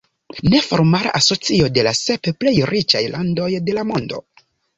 Neformala asocio de la sep plej riĉaj landoj de la mondo.